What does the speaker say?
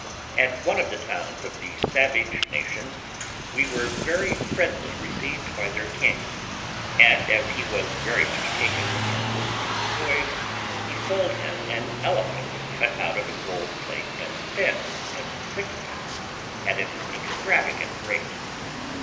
At one of the towns of these savage nations we were very friendly received by their king, and as he was very much taken with our workman's toys, he sold him an elephant cut out of a gold plate as thin as a sixpence at an extravagant rate.